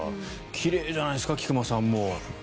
奇麗じゃないですか、菊間さん。